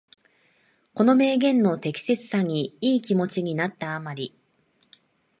この名言の適切さにいい気持ちになった余り、